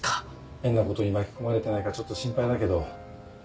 変なことに巻き込まれてないかちょっと心配だけどまっ